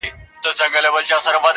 وجود غواړمه چي زغم د نسو راوړي